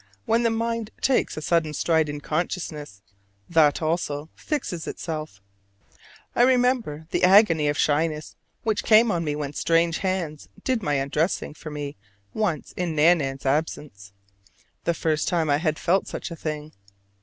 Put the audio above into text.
When the mind takes a sudden stride in consciousness, that, also, fixes itself. I remember the agony of shyness which came on me when strange hands did my undressing for me once in Nan nan's absence: the first time I had felt such a thing.